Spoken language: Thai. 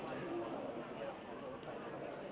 สวัสดีครับ